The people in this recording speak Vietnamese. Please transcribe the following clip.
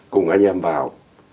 cùng anh em vào